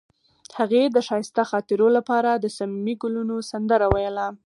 هغې د ښایسته خاطرو لپاره د صمیمي ګلونه سندره ویله.